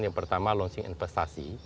yang pertama launching investasi